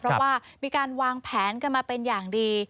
เพราะว่ามีการวางแผนกันมาเป็นอย่างดี